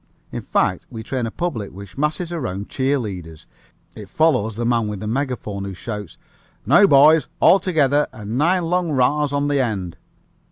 In fact, we train a public which masses around cheer leaders. It follows the man with the megaphone, who shouts, "Now, boys, all together and nine long rahs on the end!"